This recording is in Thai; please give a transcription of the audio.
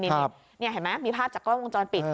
นี่เห็นไหมมีภาพจากกล้องวงจรปิด